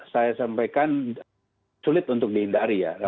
saya sampaikan sulit untuk dihindari ya